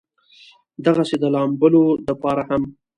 دغسې د لامبلو د پاره هم